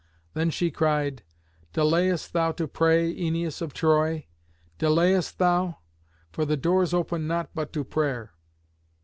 Then she cried, "Delayest thou to pray, Æneas of Troy? delayest thou? for the doors open not but to prayer."